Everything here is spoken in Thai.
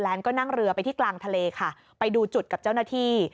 ก็นั่งเรือไปที่กลางทะเลค่ะไปดูจุดกับเจ้าหน้าที่